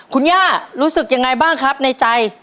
คุณย่ารู้สึกยังไงบ้างครับในใจ